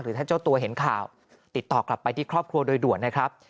ท่านเจ้าตัวเห็นข่าวติดต่อกลับไปที่ครอบครัวโดยด่วนนะครับ